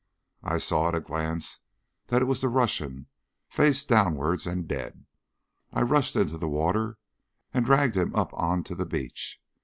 I saw at a glance that it was the Russian, face downwards and dead. I rushed into the water and dragged him up on to the beach.